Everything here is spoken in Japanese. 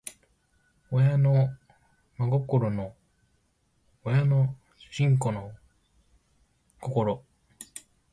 親の心子の心